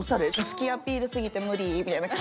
好きアピールすぎて無理みたいな。